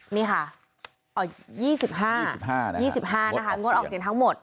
นี่ค่ะ๒๕๒๕นะคะงดออกเสียงทั้งหมด